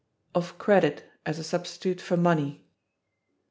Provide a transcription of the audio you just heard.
Of Credit, As A Substitute For Money.